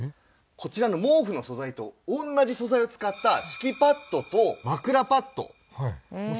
こちらの毛布の素材と同じ素材を使った敷きパッドと枕パッドもセットした